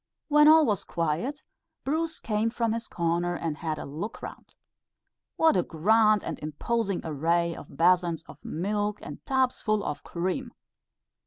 When all was quiet, Bruce came from his corner and had a look round. What a grand and imposing array of basins of milk and tubs full of cream!